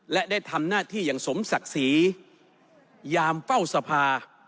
และได้ทำหน้าที่อย่างสมศักดิ์ศรียามเฝ้าสภา